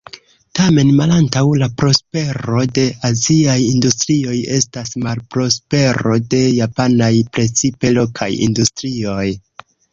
Tamen malantaŭ la prospero de aziaj industrioj estas malprospero de japanaj, precipe lokaj industrioj.